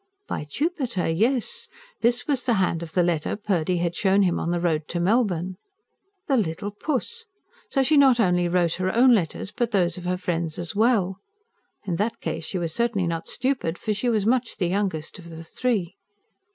By Jupiter, yes! This was the hand of the letter Purdy had shown him on the road to Melbourne. The little puss! So she not only wrote her own letters, but those of her friends as well. In that case she was certainly not stupid for she was much the youngest of the three.